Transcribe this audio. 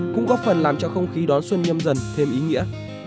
cũng góp phần làm cho không khí đón xuân nhâm dần thêm ý nghĩa